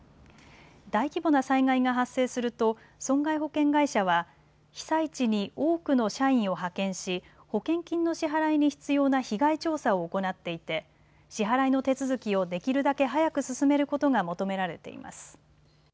大規模な災害が発生すると損害保険会社は被災地に多くの社員を派遣し保険金の支払いに必要な被害調査を行っていて支払いの手続きをできるだけ早く進めることが求められています。